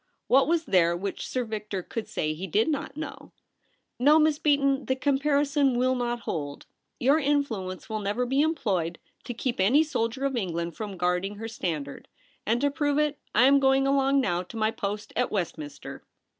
What was there which Sir Victor could say he did not know ?' No, Miss Beaton ; the comparison will not hold. Your influence will never be employed to keep any soldier of England from guarding her standard ; and to prove it, I am going along now to my post at Westminster.'